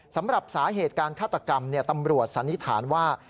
สำหรับสาเหตุการฆาตกรรมตำรวจสันนิษฐานว่า